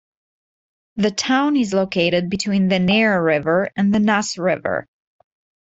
The town is located between the Nare River and the Nus River.